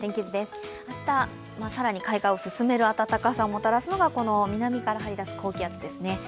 明日、更に開花を進める暖かさをもたらすのがこの南から入りだす高気圧ですね。